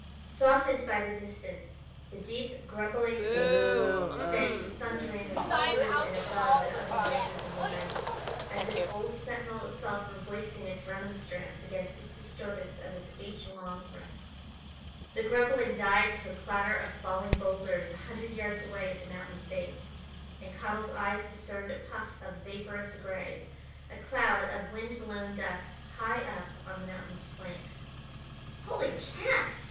Softened by the distance, the deep, grumbling bass sang thunderingly through and above the other noises of the night, as if old Sentinel itself were voicing its remonstrance against this disturbance of its age long rest. The grumbling died to a clatter of falling boulders a hundred yards away at the mountain's base, and Connell's eyes discerned a puff of vaporous gray, a cloud of wind blown dust, high up on the mountain's flank. "Holy cats!"